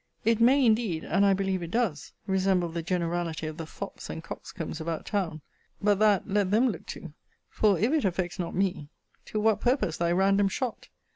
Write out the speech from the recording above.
It may indeed, and I believe it does, resemble the generality of the fops and coxcombs about town. But that let them look to; for, if it affects not me, to what purpose thy random shot?